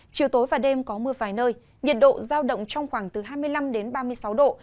chiều tối và đêm có mưa vài nơi nhiệt độ giao động trong khoảng từ hai mươi năm đến ba mươi sáu độ